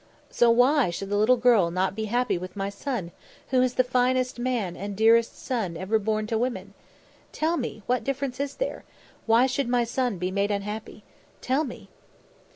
"So why should the little girl not be happy with my son, who is the finest man and dearest son ever born to woman? Tell me what difference is there? Why should my son be made unhappy? Tell me!"